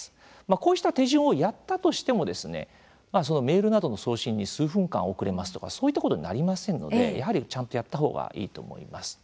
こうした手順をやったとしてもメールなどの送信に数分間遅れますとか、そういったことになりませんので、やはりちゃんとやった方がいいと思います。